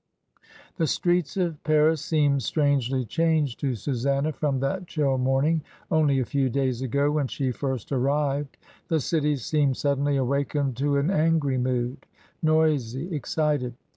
The streets of Paris seemed strangely changed to Susanna from that chill morning only a few days ago when she first arrived. The city seemed sud denly awakened to an angry mood, noisy, excited.